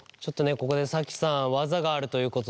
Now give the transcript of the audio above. ここでＳａｋｉさん技があるということで。